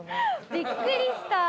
びっくりした。